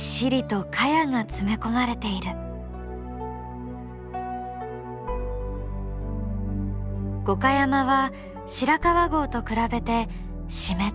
五箇山は白川郷と比べて湿った重い雪が降る。